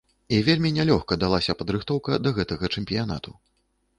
І вельмі нялёгка далася падрыхтоўка да гэтага чэмпіянату.